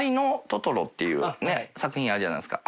作品あるじゃないですか